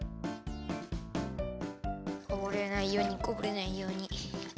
こぼれないようにこぼれないように。